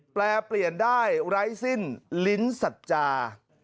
แปรเปลี่ยนได้ไร้สิ้นลิ้นสัจจา